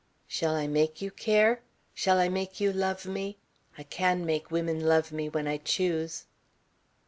"Shall I make you care? Shall I make you love me? I can make women love me when I choose."